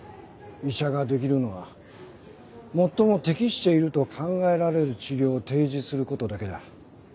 医者ができるのは最も適していると考えられる治療を提示することだけだ。